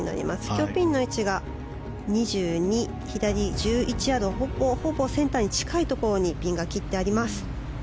今日ピンの位置が２２、左１１ヤードほぼセンターに近いところにピンが切ってあります。